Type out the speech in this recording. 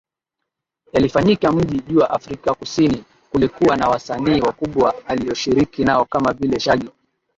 Yalifanyika mji jua Afrika Kusini kulikuwa na wasanii wakubwa aliyoshiriki nao kama vile Shaggy